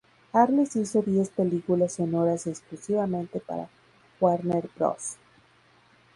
Arliss hizo diez películas sonoras exclusivamente para Warner Bros.